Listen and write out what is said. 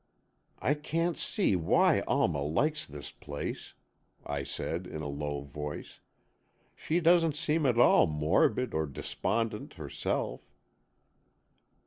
"I can't see why Alma likes this place," I said, in a low voice. "She doesn't seem at all morbid or despondent herself."